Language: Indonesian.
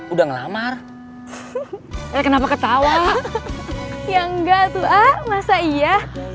udah ngelamar saya kenapa ketawa ya enggak tuh ah masa iya